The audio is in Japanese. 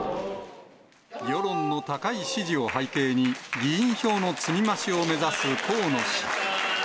世論の高い支持を背景に、議員票の積み増しを目指す河野氏。